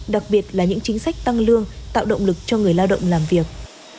đặc biệt là những chính sách tăng lương tạo động lực cho người lao động làm việc